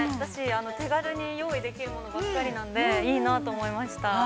手軽に用意できるものばっかりなんで、いいなと思いました。